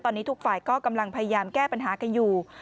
ตอนนี้ทุกฝ่ายก็กำลังพยายามแก้ปัญหากันอยู่